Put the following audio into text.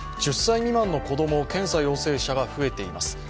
１０歳未満の検査陽性者が増えています。